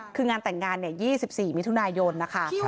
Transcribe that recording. คืองานแต่งงาน๒๔มิถุนายนนะคะ